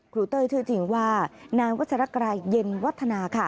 เต้ยชื่อจริงว่านายวัชรกรายเย็นวัฒนาค่ะ